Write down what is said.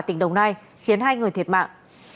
tỉnh đồng nai khiến hai người thiệt mạng